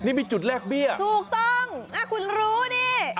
นี่มีจุดแลกเบี้ยถูกต้องคุณรู้นี่